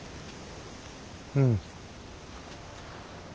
うん。